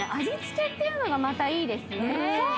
味付けっていうのがまたいいですね。